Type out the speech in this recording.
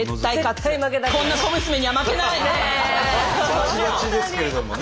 バチバチですけれどもね。